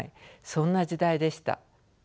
そんな時代でした。